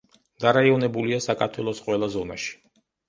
დარაიონებულია საქართველოს ყველა ზონაში.